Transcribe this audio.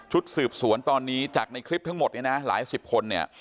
ชุดสืบสวนตอนนี้จากในคลิปทั้งหมดหลายสิบคน